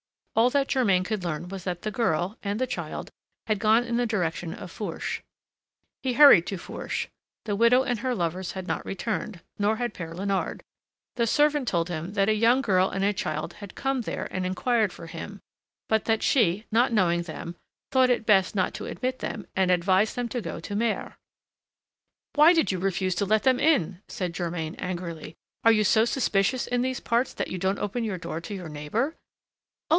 All that Germain could learn was that the girl and the child had gone in the direction of Fourche. He hurried to Fourche: the widow and her lovers had not returned, nor had Père Léonard. The servant told him that a young girl and a child had come there and inquired for him, but that she, not knowing them, thought it best not to admit them and advised them to go to Mers. "Why did you refuse to let them in?" said Germain angrily. "Are you so suspicious in these parts that you don't open your door to your neighbor?" "Oh!